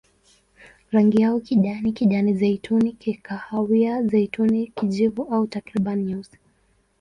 Rangi yao kijani, kijani-zeituni, kahawia-zeituni, kijivu au takriban nyeusi.